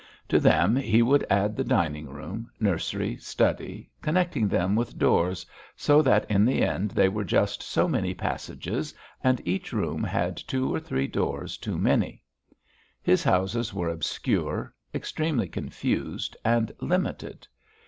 To them he would add the dining room, nursery, study, connecting them with doors, so that in the end they were just so many passages, and each room had two or three doors too many. His houses were obscure, extremely confused, and limited.